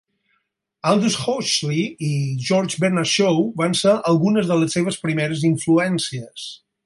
Aldous Huxley i George Bernard Shaw van ser algunes de les seves primeres influències.